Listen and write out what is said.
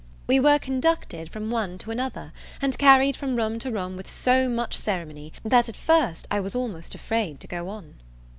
We were conducted from one to another, and carried from room to room with so much ceremony, that at I was almost afraid to go on.